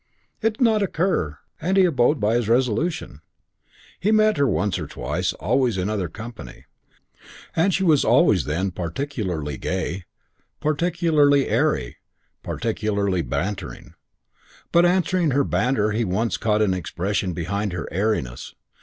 It did not occur, and he abode by his resolution. He met her once or twice, always in other company. And she was always then particularly gay, particularly airy, particularly bantering. But answering her banter he once caught an expression behind her airiness.